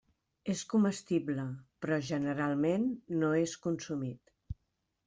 És comestible, però, generalment, no és consumit.